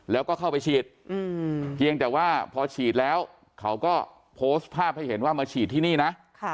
แล้วก็เข้าไปฉีดเพียงแต่ว่าพอฉีดแล้วเขาก็โพสต์ภาพให้เห็นว่ามาฉีดที่นี่นะ